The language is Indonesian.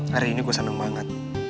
hari ini gue seneng banget